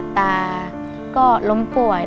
ตาก็ล้มป่วย